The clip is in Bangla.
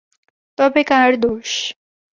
তবে কার দোষ?